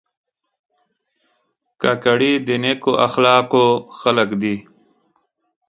کاکړي د نیکو اخلاقو خلک دي.